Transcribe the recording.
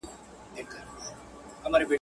تر بېکاري، بېگاري ښه ده.